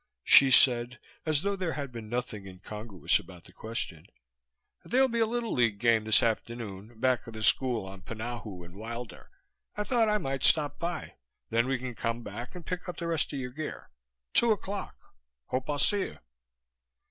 Hsi said, as though there had been nothing incongruous about the question, "There'll be a Little League game this afternoon. Back of the school on Punahou and Wilder. I thought I might stop by, then we can come back and pick up the rest of your gear. Two o'clock. Hope I'll see you."